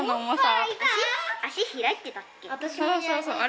足開いてたっけ？